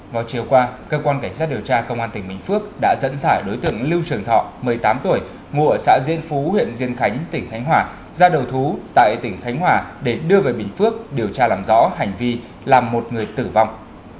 vào chiều qua cơ quan cảnh sát điều tra công an tỉnh bình phước đã dẫn dải đối tượng lưu trường thọ một mươi tám tuổi ngụ ở xã diên phú huyện diên khánh tỉnh khánh hòa ra đầu thú tại tỉnh khánh hòa để đưa về bình phước điều tra làm rõ hành vi làm một người tử vong